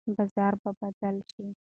بازار به بدل شي.